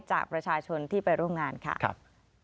จากประชาชนที่ไปร่วมงานค่ะค่ะค่ะครับ